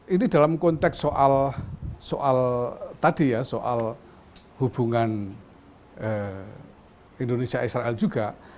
ini dalam konteks soal tadi ya soal hubungan indonesia israel juga